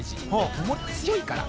灯、強いから。